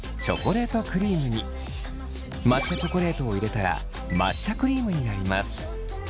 抹茶チョコレートを入れたら抹茶クリームになります。